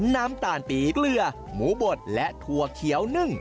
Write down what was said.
น้ำตาลปีเกลือหมูบดและถั่วเขียวนึ่ง